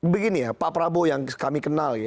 begini ya pak prabowo yang kami kenal